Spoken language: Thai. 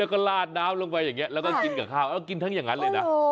แล้วก็ลาดน้ำลงไปอย่างนี้แล้วก็กินกับข้าวกินทั้งอย่างนั้นเลยนะ